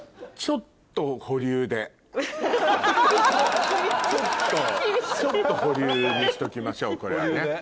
ちょっと保留にしときましょうこれはね。